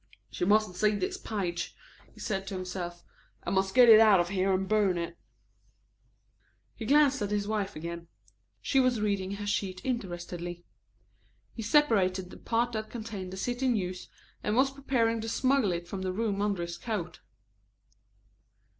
"She mustn't see this page," he said to himself. "I must get it out of here and burn it." He glanced at his wife again. She was reading her sheet interestedly. He separated the part that contained the city news and was preparing to smuggle it from the room under his coat.